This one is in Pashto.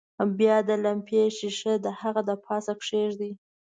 بیا د لمپې ښيښه د هغه د پاسه کیږدئ.